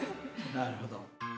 なるほど。